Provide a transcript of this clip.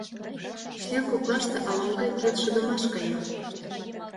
Член коклаште ала-могай келшыдымаш кая.